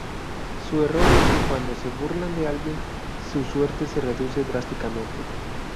Su error es que cuando se burla de alguien, su suerte se reduce drásticamente.